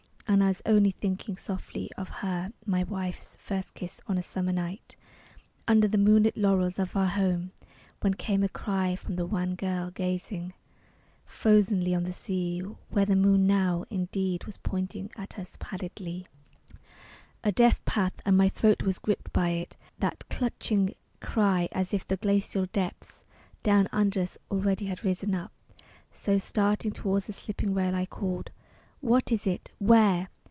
And I was only thinking softly Of her my wife's first kiss on a summer night Under the moonlit laurels of our home, When came a cry from the wan girl gazing Frozenly on the sea where the moon now Indeed was pointing at us pallidly A death path. And my throat was gripped by it, That clutching cry, as if the glacial depths Down under us already had risen up. So starting toward the slipping rail I called, "What is it? where?"